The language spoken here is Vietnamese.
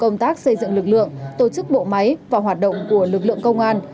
công tác xây dựng lực lượng tổ chức bộ máy và hoạt động của lực lượng công an